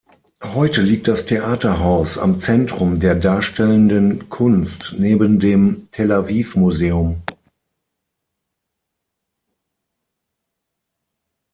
Heute liegt das Theaterhaus am Zentrum der darstellenden Kunst neben dem Tel-Aviv-Museum.